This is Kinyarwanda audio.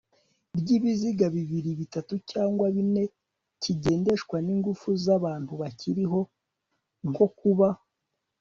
ry ibiziga bibiri bitatu cyangwa bine kigendeshwa n ingufu z abantu bakiriho nko kuba